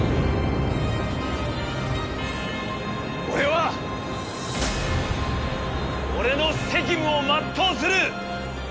俺は俺の責務を全うする！